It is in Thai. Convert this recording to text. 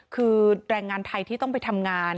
คือแรงงานไทยที่ต้องไปทำงาน